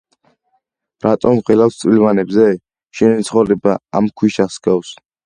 „რატომ ვღელავთ წვრილმანებზე?“ „შენი ცხოვრება ამ ქვიშას ჰგავს.